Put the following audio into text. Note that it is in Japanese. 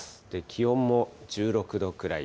気温も１６度くらい。